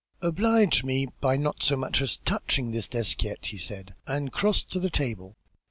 "Oblige me by not so much as touching this desk yet," he said, and crossed to the table.